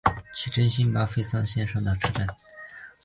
真幸站肥萨线上的车站。